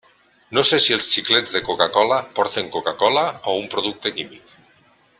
No sé si els xiclets de Coca-cola porten Coca-cola o un producte químic.